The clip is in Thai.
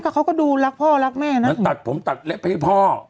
เขาก็ดูรักพ่อรักแม่น่ะตัดผมตัดเล็บให้พ่ออืม